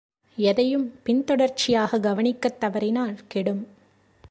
எதையும் பின் தொடர்ச்சியாகக் கவனிக்கத் தவறினால் கெடும்.